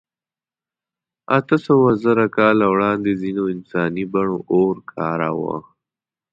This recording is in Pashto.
اتهسوهزره کاله وړاندې ځینو انساني بڼو اور کاراوه.